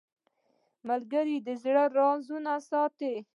ملګری د زړه رازونه ساتي